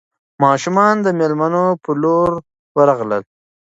ماشومان د مېلمنو په لور ورغلل.